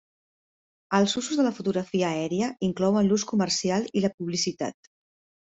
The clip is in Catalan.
Els usos de la fotografia aèria inclouen l'ús comercial i la publicitat.